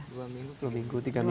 dua minggu tiga minggu